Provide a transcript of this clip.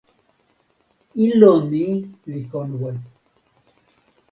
ilo ni li konwe.